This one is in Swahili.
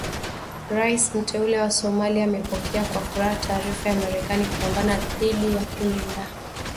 Rais Mteule wa Somalia amepokea kwa furaha taarifa ya Marekani kupambana dhidi ya kundi la wanamgambo wa Kigaidi.